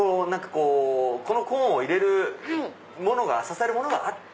このコーンを入れるものが支えるものがあって。